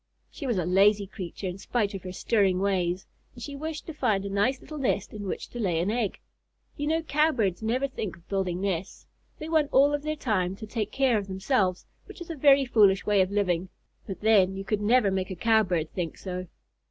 She was a lazy creature in spite of her stirring ways, and she wished to find a nice little nest in which to lay an egg. You know Cowbirds never think of building nests. They want all of their time to take care of themselves, which is a very foolish way of living; but then, you could never make a Cowbird think so!